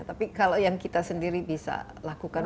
tapi kalau yang kita sendiri bisa lakukan